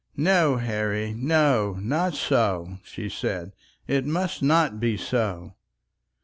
"No, Harry, no; not so," she said, "it must not be so."